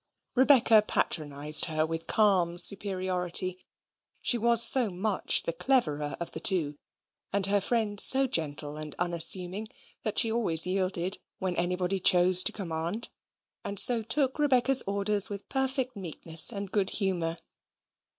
Rebecca patronised her with calm superiority: she was so much the cleverer of the two, and her friend so gentle and unassuming, that she always yielded when anybody chose to command, and so took Rebecca's orders with perfect meekness and good humour.